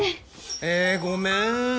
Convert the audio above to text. ええごめん